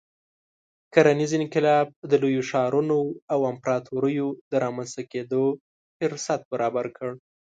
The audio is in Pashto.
کرنیز انقلاب د لویو ښارونو او امپراتوریو د رامنځته کېدو فرصت برابر کړ.